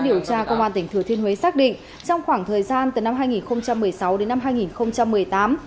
điều tra công an tỉnh thừa thiên huế xác định trong khoảng thời gian từ năm hai nghìn một mươi sáu đến năm hai nghìn một mươi tám